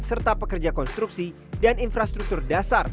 serta pekerja konstruksi dan infrastruktur dasar